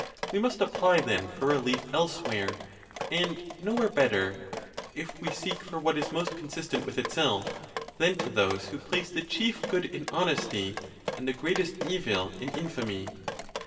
We must apply, then, for relief elsewhere, and nowhere better (if we seek for what is most consistent with itself) than to those who place the chief good in honesty, and the greatest evil in infamy.